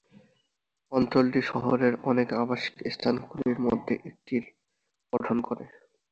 অঞ্চলটি শহরের অনেক আবাসিক স্থানগুলির মধ্যে একটির গঠন করে।